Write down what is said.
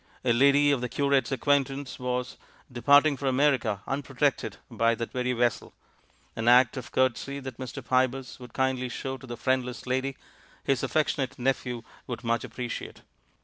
A lady of the curate's acquaintance was "departing for America, unprotected, by 270 THE MAN WHO UNDERSTOOD WOMEN that very vessel." An act of courtesy that Mr. Pybus would kindly show to the friendless lady, his affectionate nex^hew would much appreciate.